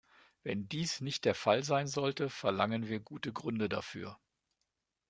Wenn dies nicht der Fall sein sollte, verlangen wir gute Gründe dafür.